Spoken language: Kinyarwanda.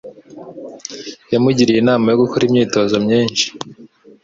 Yamugiriye inama yo gukora imyitozo myinshi